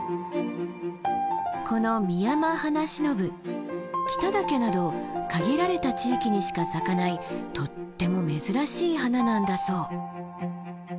このミヤマハナシノブ北岳など限られた地域にしか咲かないとっても珍しい花なんだそう。